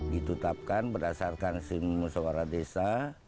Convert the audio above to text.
ditutupkan berdasarkan simulasi seorang desa